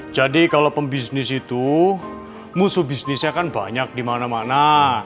jadi kalo pembisnis itu musuh bisnisnya kan banyak dimana mana